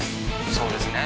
そうですね